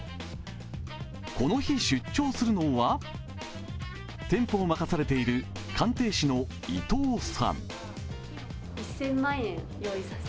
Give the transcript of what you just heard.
この日、出張するのは、店舗を任されている鑑定士の伊東さん。